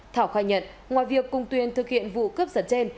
thảo khai nhận ngoài việc cùng tuyền thực hiện vụ cướp giật trên